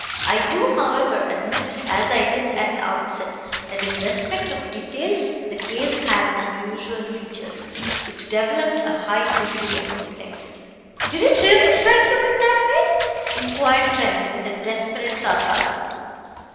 I do, however, admit, as I did at the outset, that in respect of details the case had unusual features. It developed a high degree of complexity." "Did it really strike you in that way?" inquired Trent with desperate sarcasm.